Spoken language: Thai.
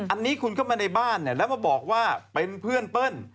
อันนี้คุณเข้ามาในบ้านเนี่ยแล้วมาบอกว่าเป็นเพื่อนเปิ้ล